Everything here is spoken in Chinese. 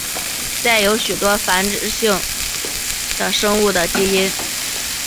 在许多有性繁殖的生物的基因。